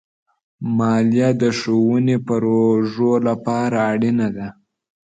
مالیه د ښوونې پروژو لپاره اړینه ده.